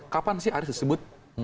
kapan sih arief disebut